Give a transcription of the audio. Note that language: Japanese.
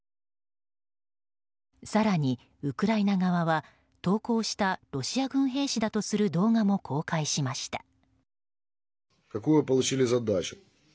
更にウクライナ側は投降したロシア軍兵士だとする動画も公開しました。